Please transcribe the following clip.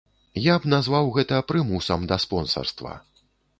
Я б назваў гэта прымусам да спонсарства.